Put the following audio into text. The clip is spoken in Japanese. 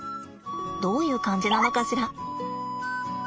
どういう感じなのかしら。